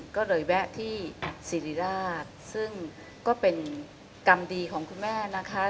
ก็เลยแวะที่สิริราชซึ่งก็เป็นกรรมดีของคุณแม่นะคะ